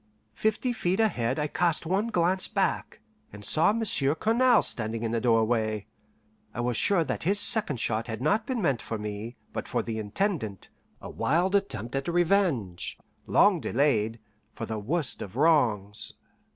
Fifty feet ahead I cast one glance hack, and saw Monsieur Cournal standing in the doorway. I was sure that his second shot had not been meant for me, but for the Intendant a wild attempt at a revenge, long delayed, for the worst of wrongs.